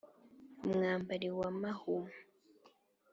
umwambari wa mahuma